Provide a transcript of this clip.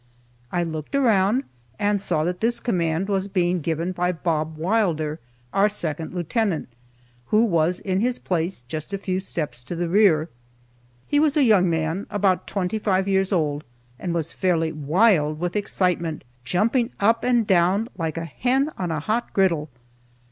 I looked around and saw that this command was being given by Bob Wylder, our second lieutenant, who was in his place, just a few steps to the rear. He was a young man, about twenty five years old, and was fairly wild with excitement, jumping up and down "like a hen on a hot griddle."